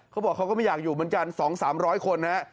เขาบอกเขาก็ไม่อยากอยู่เหมือนกัน๒๓๐๐คนนะฮะ